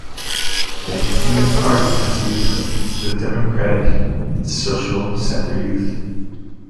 The continuing party has a youth wing, the Democratic and Social Center Youth.